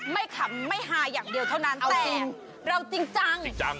ไม่ขำไม่ฮาอย่างเดียวเท่านั้นแต่เราจริงจังจริงจัง